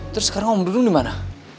terus sekarang om dung dimana